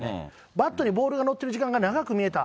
バットにボールがのってる時間が長く見えた。